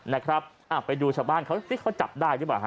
นะครับไปดูชาวบ้านเขาสิเขาจับได้หรือเปล่าฮ